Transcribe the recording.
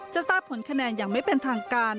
จะทราบผลคะแนนอย่างไม่เป็นทางการ